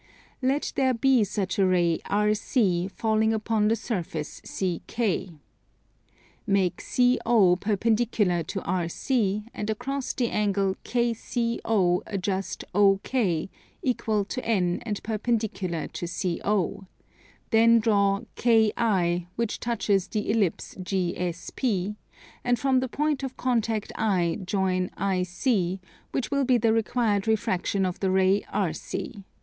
Let there be such a ray RC falling upon the surface CK. Make CO perpendicular to RC, and across the angle KCO adjust OK, equal to N and perpendicular to CO; then draw KI, which touches the Ellipse GSP, and from the point of contact I join IC, which will be the required refraction of the ray RC.